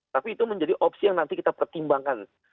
tapi itu menjadi opsi yang nanti kita pertimbangkan